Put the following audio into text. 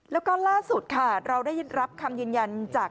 แล้วก็ล่าสุดค่ะเราได้รับคำยืนยันจาก